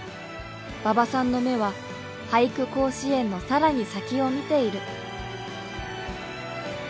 馬場さんの目は「俳句甲子園」の更に先を見ている。